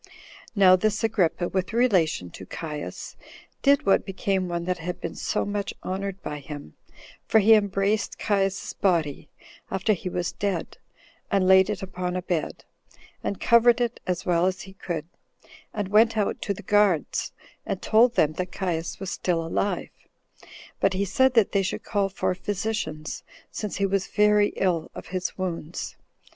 Now this Agrippa, with relation to Caius, did what became one that had been so much honored by him; for he embraced Caius's body after he was dead, and laid it upon a bed, and covered it as well as he could, and went out to the guards, and told them that Caius was still alive; but he said that they should call for physicians, since he was very ill of his wounds.